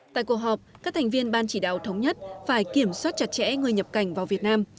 tại cuộc họp các thành viên ban chỉ đạo thống nhất phải kiểm soát chặt chẽ người nhập cảnh vào việt nam